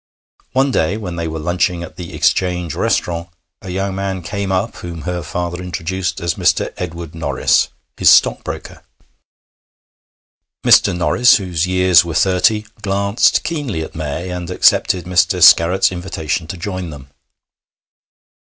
One day, when they were lunching at the Exchange Restaurant, a young man came up whom her father introduced as Mr. Edward Norris, his stockbroker. Mr. Norris, whose years were thirty, glanced keenly at May, and accepted Mr. Scarratt's invitation to join them.